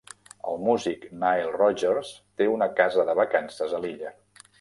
El músic Nile Rodgers té una casa de vacances a l'illa.